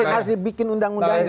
emang harus dibikin undang undangnya